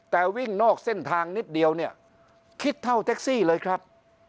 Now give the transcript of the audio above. แต่วิ่งนอกเส้นทางนิดเดียวเนี่ยคิดเท่าแท็กซี่เลยครับ